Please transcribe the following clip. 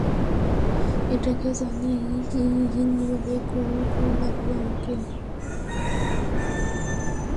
এটাকে জানি কি বলে কুল, কুল লাগবে তোমাকে।